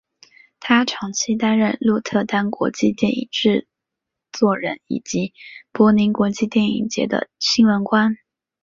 他长期担任鹿特丹国际电影节制作人以及柏林国际电影节的新闻官。